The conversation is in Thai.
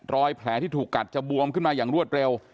รอยแผลที่ถูกกัดจะบวมขึ้นมาอย่างรวดเร็ว